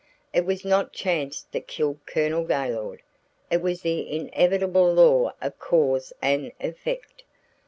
It was not chance that killed Colonel Gaylord. It was the inevitable law of cause and effect.